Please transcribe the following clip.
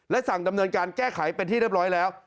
สั่งดำเนินการแก้ไขเป็นที่เรียบร้อยแล้ว